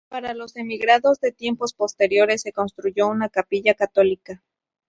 Para los emigrados de tiempos posteriores se construyó una capilla católica.